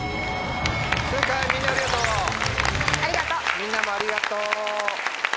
みんなもありがとう。